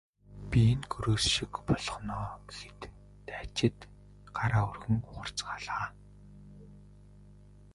Би энэ гөрөөс шиг болгоно гэхэд дайчид гараа өргөн ухарцгаалаа.